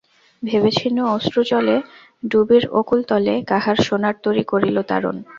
ভেবেছিনু অশ্রুজলে, ডুবিব অকূল তলে, কাহার সোনার তরী করিল তারণ?